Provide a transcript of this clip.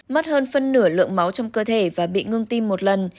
mất hơn phân nửa lượng máu trong cơ thể và bị ngưng tim một lần